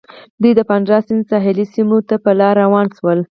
دوی د پانارا سیند ساحلي سیمو ته په لاره روان شول.